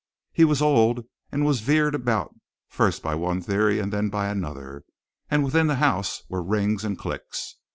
He was old and was veered about first by one theory and then by another, and within the house were rings and cliques.